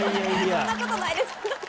そんなことないです！